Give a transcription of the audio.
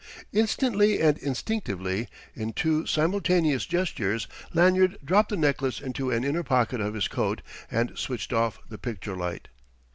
Instantly and instinctively, in two simultaneous gestures, Lanyard dropped the necklace into an inner pocket of his coat and switched off the picture light.